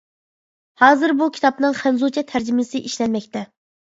ھازىر بۇ كىتابنىڭ خەنزۇچە تەرجىمىسى ئىشلەنمەكتە.